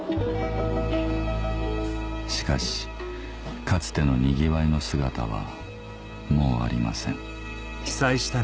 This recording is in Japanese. しかしかつてのにぎわいの姿はもうありません